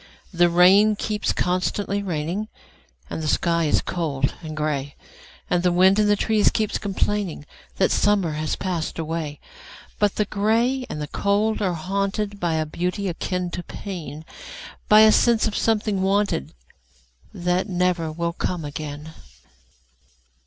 The rain keeps constantly raining, And the sky is cold and gray, And the wind in the trees keeps complainingThat summer has passed away;—But the gray and the cold are hauntedBy a beauty akin to pain,—By a sense of a something wanted, That never will come again.